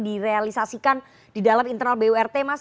direalisasikan di dalam internal burt mas